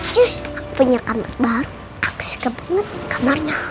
cus aku punya kamar baru aku suka banget kamarnya